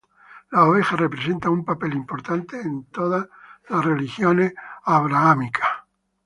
Las ovejas representan un papel importante en todas las religiones abrahámicas.